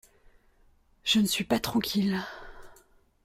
Je ne suis pas tranquille…